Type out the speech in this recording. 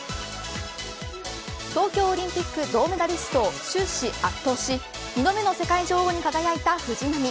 東京オリンピック銅メダリストを終始圧倒し２度目の世界女王に輝いた藤波。